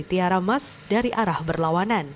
tiara mas dari arah berlawanan